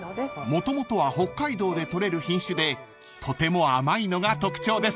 ［もともとは北海道で採れる品種でとても甘いのが特徴です］